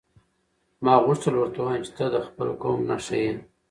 ما غوښتل ورته ووایم چې ته د خپل قوم نښه یې.